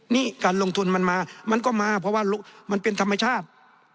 นี่การลงทุนมันมามันก็มาเพราะว่ามันเป็นธรรมชาติ